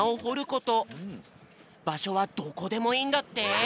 ばしょはどこでもいいんだって。